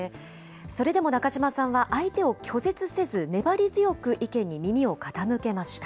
それでも中島さんは相手を拒絶せず、粘り強く意見に耳を傾けました。